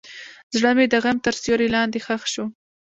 زړه مې د غم تر سیوري لاندې ښخ شو.